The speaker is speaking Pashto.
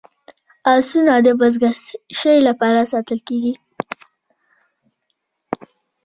اسونه د بزکشۍ لپاره ساتل کیږي.